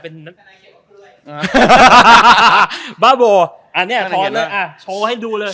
ตอนนี้เห็นแล้วดูเลย